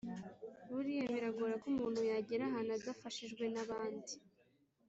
buriya biragora ko umuntu yagera ahantu adafashijwe nabandi